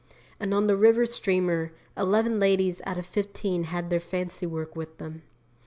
And on the river steamer eleven ladies out of fifteen had their fancy work with them.